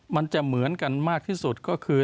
มันจะเหมือนกันมากที่สุดก็คือ